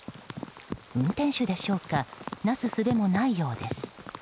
運転手でしょうかなすすべもないようです。